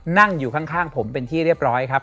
นั่งอยู่ข้างผมเป็นที่เรียบร้อยครับ